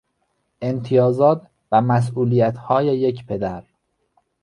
امتیازات و مسئولیتهای یک پدر